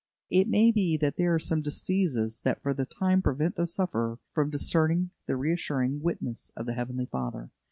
It may be that there are some diseases that for the time prevent the sufferer from discerning the reassuring witness of the Heavenly Father.